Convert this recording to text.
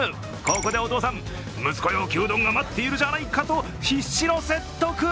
ここでお父さん、息子よ牛丼が待っているじゃないかと必死の説得